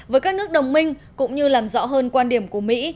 với các nước đồng minh cũng như làm rõ hơn quan điểm của mỹ